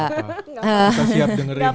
kita siap dengerin